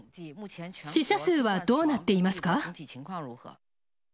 死者数はどうなっていますか？